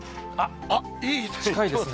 あっ、いいですね。